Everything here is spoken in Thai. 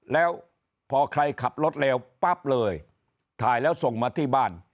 แล้วพอใครขับรถเร็วปั๊บเลยถ่ายแล้วส่งมาที่บ้าน